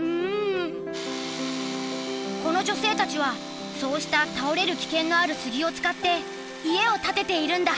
この女性たちはそうした倒れる危険のある杉を使って家を建てているんだ。